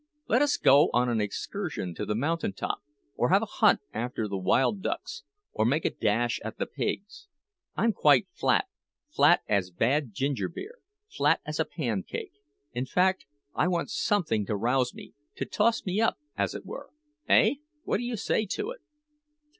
Let us go on an excursion to the mountain top, or have a hunt after the wild ducks, or make a dash at the pigs. I'm quite flat flat as bad ginger beer flat as a pancake; in fact, I want something to rouse me to toss me up, as it were. Eh! what do you say to it?"